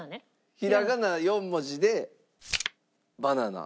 ひらがな４文字でバナナ。